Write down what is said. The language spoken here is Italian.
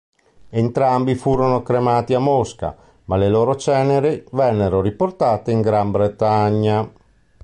Entrambi furono cremati a Mosca, ma le loro ceneri vennero riportate in Gran Bretagna.